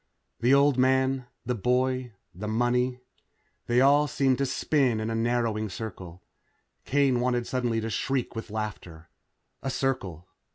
The old man the boy the money. They all seemed to spin in a narrowing circle. Kane wanted suddenly to shriek with laughter. A circle.